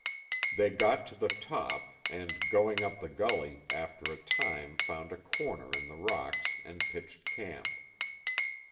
They got to the top, and going up the gully, after a time found a corner in the rocks and pitched camp.